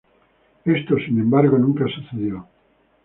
Esto, sin embargo, nunca sucedió.